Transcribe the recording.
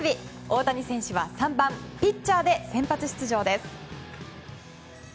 大谷選手は３番ピッチャーで先発出場です。